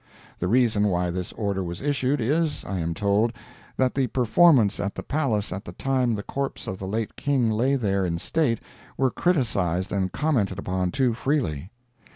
The reason why this order was issued is, I am told, that the performances at the palace at the time the corpse of the late King lay there in state were criticised and commented upon too freely.